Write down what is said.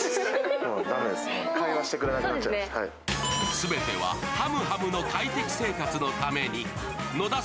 すべてははむはむの快適生活のために野田さん